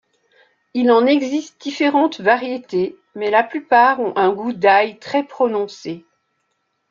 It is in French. Il en existe différentes variétés, mais la plupart ont un goût d'ail très prononcé.